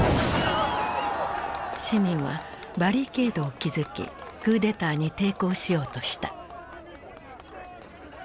市民はバリケードを築きクーデターに抵抗しようとした。